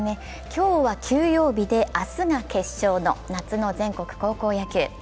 今日は休養日で明日が決勝の夏の全国高校野球。